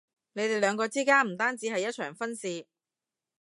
你哋兩個之間唔單止係一場婚事